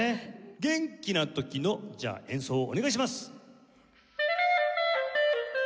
元気な時の演奏お願いします。